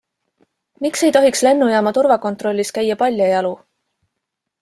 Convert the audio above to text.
Miks ei tohiks lennujaama turvakontrollis käia paljajalu?